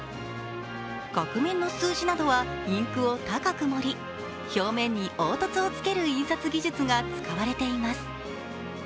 額面の数字などはインクを高く盛り、表面に凹凸をつける印刷技術が使われています。